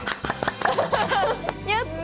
やった！